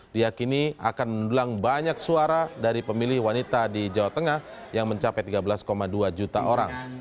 diakini akan mendulang banyak suara dari pemilih wanita di jawa tengah yang mencapai tiga belas dua juta orang